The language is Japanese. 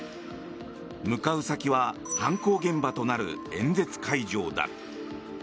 向かう先は犯行現場となる演説会場だ。